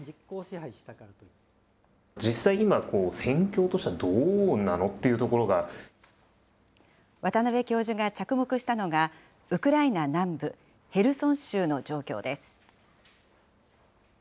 実際今、戦況としてはどうな渡邉教授が着目したのが、ウクライナ南部ヘルソン州の状況です。